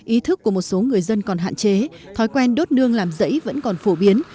ý thức của một số người dân còn hạn chế thói quen đốt nương làm rẫy vẫn còn phổ biến